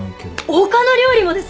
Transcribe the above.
他の料理もです！